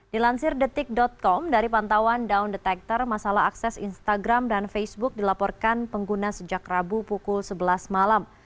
dilansir detik com dari pantauan down detector masalah akses instagram dan facebook dilaporkan pengguna sejak rabu pukul sebelas malam